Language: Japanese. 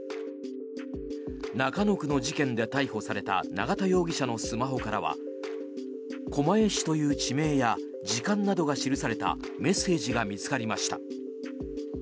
中野区の事件で逮捕された永田容疑者のスマホからは狛江市という地名や時間などが記されたメッセージが見つかりました。